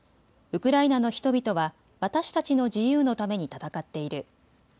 ウクライナの人々は私たちの自由のために戦っている。